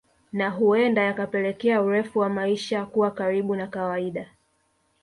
Na huenda yakapelekea urefu wa maisha kuwa karibu na kawaida